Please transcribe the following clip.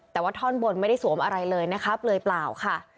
แต่ว่าท่อนบนไม่ได้สวมอะไรเลยนะคะเปลือยเปล่าค่ะ